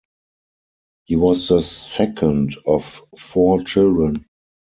He was the second of four children.